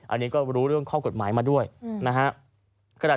อันนี้ก็รู้เรื่องข้อกฎหมายมาด้วยนะฮะ